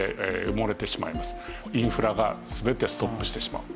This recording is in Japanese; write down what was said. インフラが全てストップしてしまう。